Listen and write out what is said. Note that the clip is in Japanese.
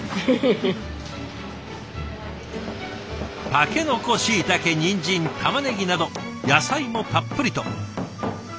たけのこしいたけにんじんたまねぎなど野菜もたっぷりと。